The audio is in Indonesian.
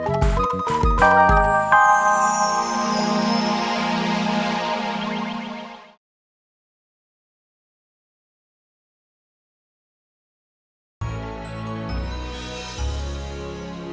jadi salah hoffe